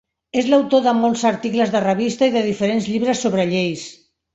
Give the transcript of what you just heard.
És autor de molts articles de revista i de diferents llibres sobre lleis.